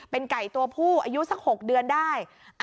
เป็นไก่ตัวผู้อายุสัก๖เดือนได้